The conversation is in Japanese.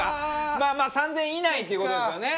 まあまあ３０００円以内っていう事ですよね。